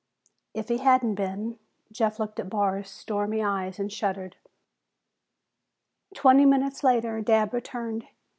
If he hadn't been Jeff looked at Barr's stormy eyes and shuddered. Twenty minutes later, Dabb returned.